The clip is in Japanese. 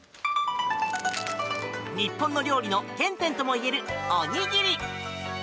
日本の料理の原点ともいえるおにぎり。